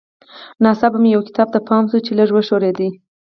ناڅاپه مې یو کتاب ته پام شو چې لږ وښورېد